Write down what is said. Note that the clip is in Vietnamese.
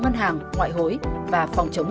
ngân hàng ngoại hối và phòng chống